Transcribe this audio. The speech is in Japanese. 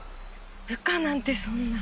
部下なんてそんな。